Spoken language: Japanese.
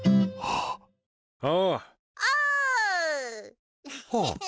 ああ？